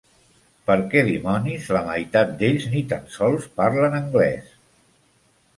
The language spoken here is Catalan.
Per què, dimonis, la meitat d'ells ni tan sols parlen anglès.